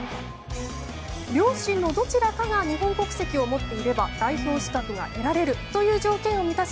両親のどちらかが日本国籍を持っていれば代表資格が得られるという条件を満たし